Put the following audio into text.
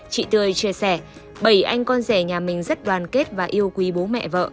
chị tươi chia sẻ bảy anh con rể nhà mình rất đoàn kết và yêu quý bố mẹ vợ